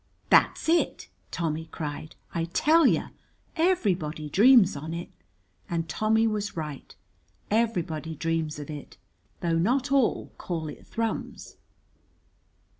"That's it," Tommy cried. "I tell yer, everybody dreams on it!" and Tommy was right; everybody dreams of it, though not all call it Thrums.